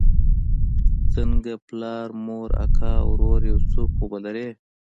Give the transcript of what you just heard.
څنگه پلار مور اکا ورور يو څوک خو به لرې.